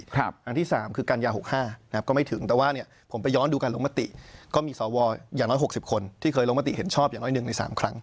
อันที่๓คือกันยา๖๕นะครับก็ไม่ถึงแต่ว่าเนี่ยผมไปย้อนดูการลงมติก็มีสวอย่างน้อย๖๐คนที่เคยลงมติเห็นชอบอย่างน้อยหนึ่งใน๓ครั้ง